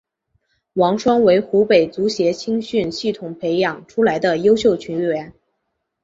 王霜为湖北足协青训系统培养出来的优秀球员。